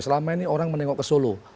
selama ini orang menengok ke solo